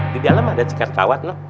di dalam ada cikat kawat nek